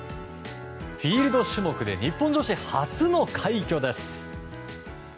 フィールド種目で日本女子初の快挙です。